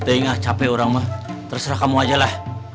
tidak capek orang mah terserah kamu aja lah